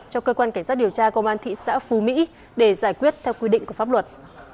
cho cơ quan cảnh sát điều tra công an thị xã phú mỹ để giải quyết theo quy định của pháp luật